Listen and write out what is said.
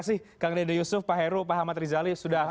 itu refleksi kami oke baik terima kasih